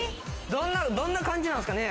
どんな感じなんですかね？